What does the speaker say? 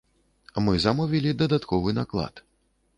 Мы замовілі дадатковы наклад.